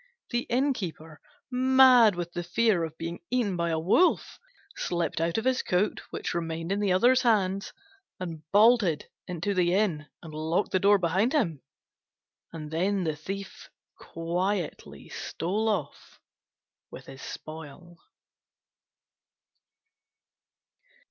The Innkeeper, mad with the fear of being eaten by a wolf, slipped out of his coat, which remained in the other's hands, and bolted into the inn and locked the door behind him; and the Thief then quietly stole off with his spoil.